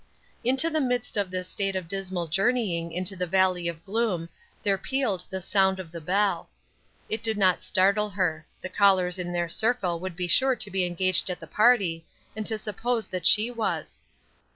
Into the midst of this state of dismal journeying into the valley of gloom there pealed the sound of the bell. It did not startle her; the callers in their circle would be sure to be engaged at the party, and to suppose that she was.